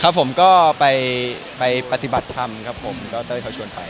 ครับผมก็ไปปฏิบัติธรรมของเต้อยเฉาะชวนไป